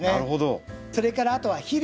それからあとは肥料。